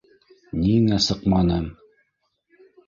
Ниңә сыҡманым?!